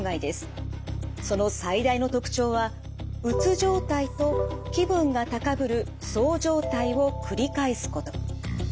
その最大の特徴はうつ状態と気分が高ぶるそう状態を繰り返すこと。